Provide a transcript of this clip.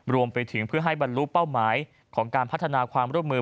รวมไปถึงเพื่อให้บรรลุเป้าหมายของการพัฒนาความร่วมมือ